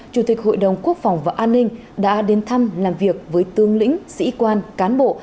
chủ tịch hội đồng quốc phòng và an ninh đã đến thăm làm việc với tương lĩnh sĩ quan cán bộ